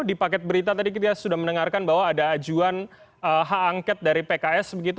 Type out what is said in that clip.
di paket berita tadi kita sudah mendengarkan bahwa ada ajuan hak angket dari pks begitu